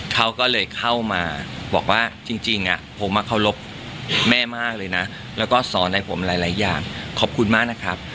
เขาก็เลยเข้ามาบอกว่าจริงผมเคารพแม่มากเลยนะแล้วก็สอนอะไรผมหลายอย่างขอบคุณมากนะครับ